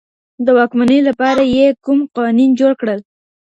د واکمنۍ لپاره یې کوم قوانین جوړ کړل؟